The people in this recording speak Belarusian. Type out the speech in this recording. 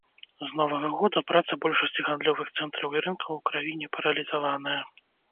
З новага года праца большасці гандлёвых цэнтраў і рынкаў у краіне паралізаваная.